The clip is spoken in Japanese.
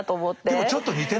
でもちょっと似てない？